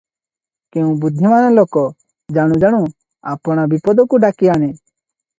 କେଉଁ ବୁଦ୍ଧିମାନ ଲୋକ ଜାଣୁ ଜାଣୁ ଆପଣା ବିପଦକୁ ଡାକିଆଣେ?